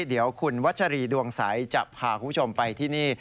เดี๋ยวคุณวัชรีดวงใสจะพาคุณผู้ชมไปที่นี่